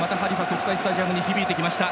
国際スタジアムに響きました。